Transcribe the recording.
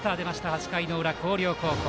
８回の裏、広陵高校。